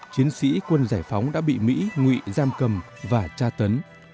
chiến sĩ quân giải phóng đã bị mỹ ngụy giam cầm và tra tấn